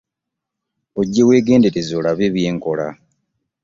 Ojje weegendereze olabe bye nkola.